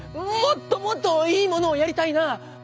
もっともっといいものをやりたいな。